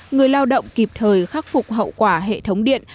người lao động kịp thời khắc phục hậu quả hệ thống điện